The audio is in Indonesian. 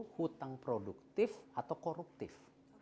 hutang produktif atau koruptif